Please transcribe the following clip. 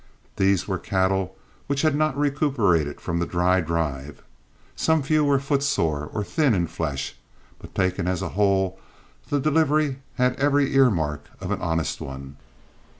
These were cattle which had not recuperated from the dry drive. Some few were footsore or thin in flesh, but taken as a whole the delivery had every earmark of an honest one.